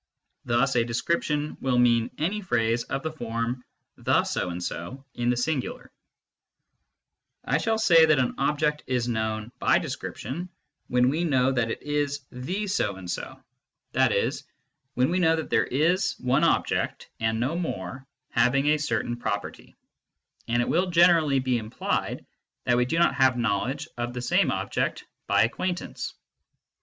Thus a description will mean any phrase of the form ^jthe so and so " in the singular, v I shall say that an object is " known by description " when we know that it is " the so and so," i.e. when we KNOWLEDGE BY ACQUAINTANCE know that there is one object, and no more, having a certain property ; and it_ will generally be implied that we do not have knowledge of the same object by ac quaintance.